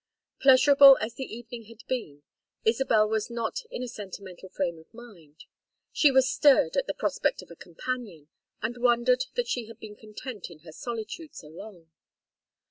Pleasurable as the evening had been, Isabel was not in a sentimental frame of mind; she was stirred at the prospect of a companion, and wondered that she had been content in her solitude so long.